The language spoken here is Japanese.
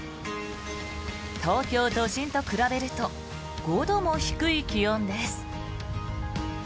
東京都心と比べると５度も低い気温です。